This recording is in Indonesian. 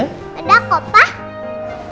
udah kok pak